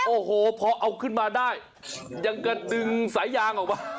โอ้โหพอเอาขึ้นมาได้ยังกระดึงสายยางออกมา